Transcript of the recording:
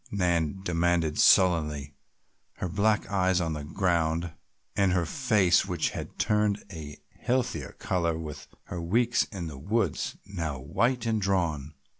Nan demanded sullenly, her black eyes on the ground and her face, which had turned a healthier color with her weeks in the woods, now white and drawn.